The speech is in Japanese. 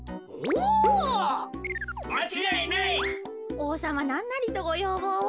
おうさまなんなりとごようぼうを。